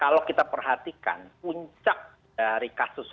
kalau kita perhatikan puncak dari kasus